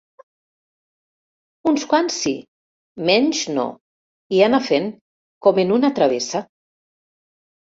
Uns quants sí, menys no, i anar fent, com en una travessa.